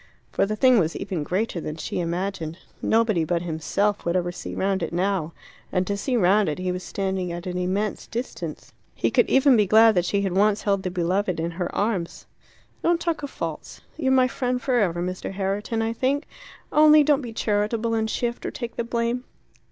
For the thing was even greater than she imagined. Nobody but himself would ever see round it now. And to see round it he was standing at an immense distance. He could even be glad that she had once held the beloved in her arms. "Don't talk of 'faults.' You're my friend for ever, Mr. Herriton, I think. Only don't be charitable and shift or take the blame.